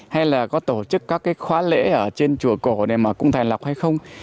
hay là có tổ chức các cái khóa lễ ở trên chùa cổ này mà cũng thành lập hay không